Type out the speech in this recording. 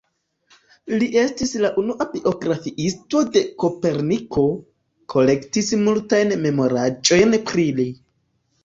Li estis la unua biografiisto de Koperniko, kolektis multajn memoraĵojn pri li.